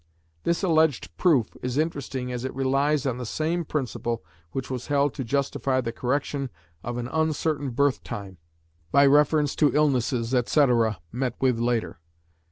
This alleged "proof" is interesting as it relies on the same principle which was held to justify the correction of an uncertain birth time, by reference to illnesses, etc., met with later.